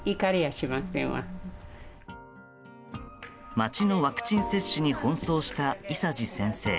町のワクチン接種に奔走した伊佐治先生。